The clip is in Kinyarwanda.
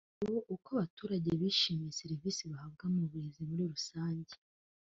ishusho uko abaturage bishimiye serivisi bahabwa mu burezi muri rusange